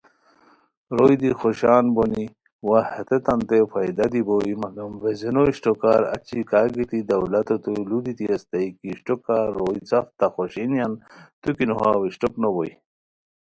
روئے دی خوشان بونی وا ہیتانتین فائدہ دی بوئے مگم ویزینو ہے اِشٹوکار اچی کاگیتی دولُوتین لُو دیتی اسیتانی کی اِشٹوکہ روئے سف تہ خوشینیان، توکی نوہاؤ اِشٹوک نوبوئے